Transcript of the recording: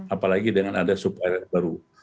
apalagi dengan ada subvarian baru